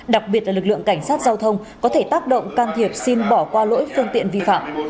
đặc biệt là lực lượng cảnh sát giao thông có thể tác động can thiệp xin bỏ qua lỗi phương tiện vi phạm